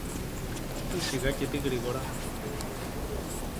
Τι σιγά και τι γρήγορα;